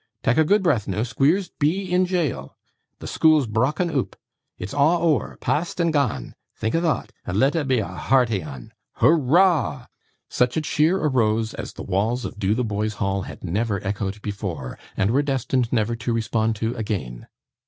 Tak'a good breath noo Squeers be in jail the school's brokken oop it's a' ower past and gane think o' thot, and let it be a hearty 'un! Hurrah!' Such a cheer arose as the walls of Dotheboys Hall had never echoed before, and were destined never to respond to again.